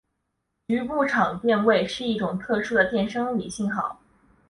局部场电位是一类特殊的电生理信号。